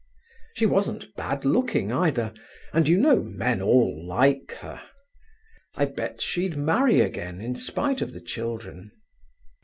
She wasn't bad looking, either, and you know men all like her. I bet she'd marry again, in spite of the children.